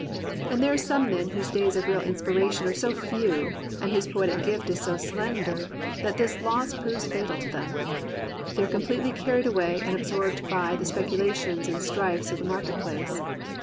And there are some men whose days of real inspiration are so few, and whose poetic gift is so slender, that this loss proves fatal to them. They are completely carried away and absorbed by the speculations and strifes of the market place.